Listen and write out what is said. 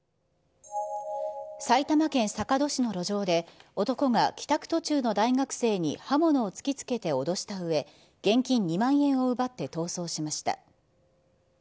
埼玉県坂戸市の路上で男が帰宅途中の大学生に刃物を突きつけて脅したうえ、現金２万円を奪って逃走しました。